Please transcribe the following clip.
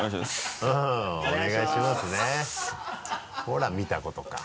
ほら見たことか。